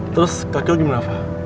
terus kaki lo gimana fah